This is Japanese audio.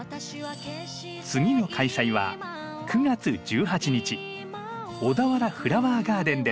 次の開催は９月１８日小田原フラワーガーデンです。